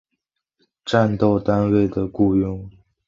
战斗单位的雇用。